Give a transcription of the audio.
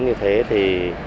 như thế thì